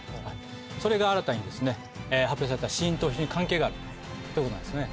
それが新たに発表された死因と非常に関係があるということなんですね。